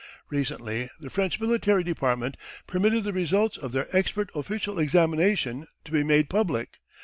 Recently the French military department permitted the results of their expert official examination to be made public.